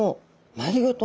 丸ごと。